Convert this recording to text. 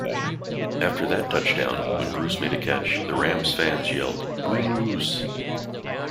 After that touchdown, when Bruce made a catch, the Rams fans yelled "Bruuuuuuce".